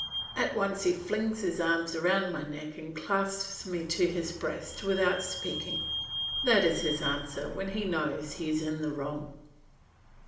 At once he flings his arms round my neck and clasps me to his breast without speaking. That is his answer when he knows he is in the wrong.